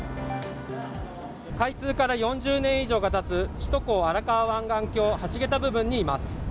開通から４０年以上がたつ首都高荒川湾岸橋の橋桁部分にいます。